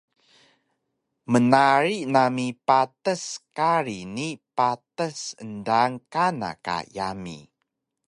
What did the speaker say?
Mnarig nami patas kari ni patas endaan kana ka yami